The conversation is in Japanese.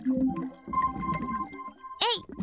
えい！